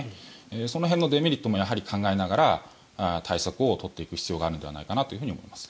その辺のデメリットもやはり考えながら対策を取っていく必要があるのではないかなと思います。